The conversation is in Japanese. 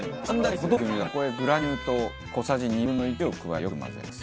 そこへグラニュー糖小さじ２分の１を加えよく混ぜます。